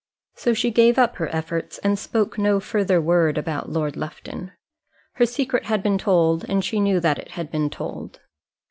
So she gave up her efforts and spoke no further word about Lord Lufton. Her secret had been told, and she knew that it had been told.